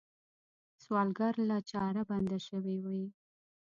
سوالګر له چاره بنده شوی وي